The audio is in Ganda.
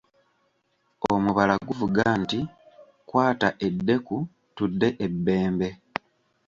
Omubala guvuga nti, ῝Kwata eddeku tudde e Bbembe.”